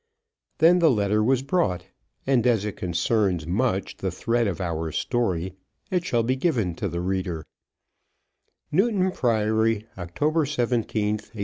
Then the letter was brought; and as it concerns much the thread of our story, it shall be given to the reader; Newton Priory, October 17, 186